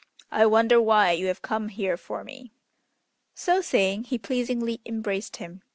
I wonder why you have come here for me." So saying, he pleasingly embraced him.